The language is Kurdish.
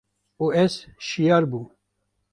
û ez şiyar bûm.